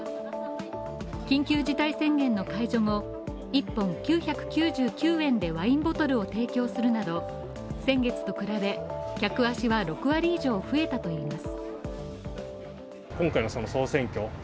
緊急事態宣言の解除後、１本９９９円でワインボトルを提供するなど先月と比べ客足は６割以上増えたといいます。